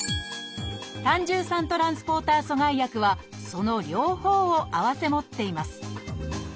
「胆汁酸トランスポーター阻害薬」はその両方を併せ持っています